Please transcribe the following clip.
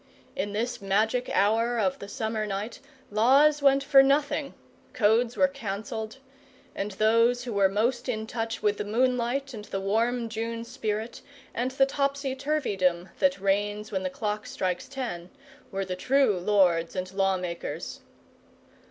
In this magic hour of the summer night laws went for nothing, codes were cancelled, and those who were most in touch with the moonlight and the warm June spirit and the topsy turvydom that reigns when the clock strikes ten, were the true lords and lawmakers.